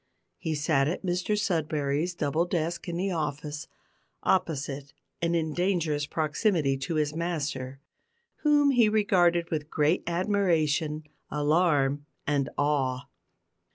He sat at Mr Sudberry's double desk in the office, opposite and in dangerous proximity to his master, whom he regarded with great admiration, alarm, and awe.